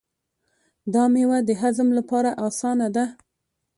دا مېوه د هضم لپاره اسانه ده.